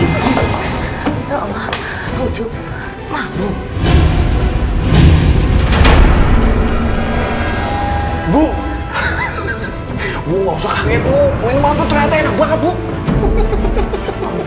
iya bebas bro